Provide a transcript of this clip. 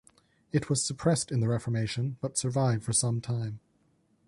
It was suppressed in the Reformation, but survived for some time.